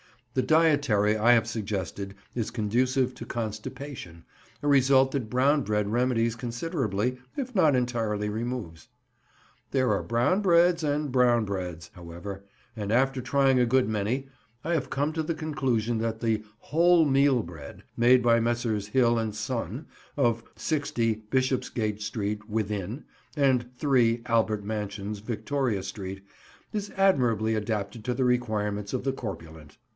The dietary I have suggested is conducive to constipation, a result that brown bread remedies considerably, if not entirely removes. There are brown breads and brown breads, however, and after trying a good many, I have come to the conclusion that the "whole meal bread" made by Messrs. Hill and Son, of 60, Bishopsgate Street Within, and 3, Albert Mansions, Victoria Street, is admirably adapted to the requirements of the corpulent.